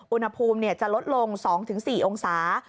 อุณหภูมิจะลดลง๒๔องศา